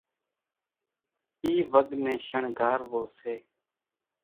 اِي وڳ نين شڻگھاروو سي،